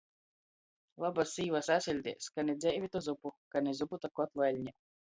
Loba sīva sasiļdeis. Ka ni dzeivi, to zupu. Ka ni zupu, to kotlu eļnē.